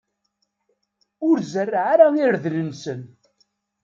Ur zerreɛ ara irden-nsen.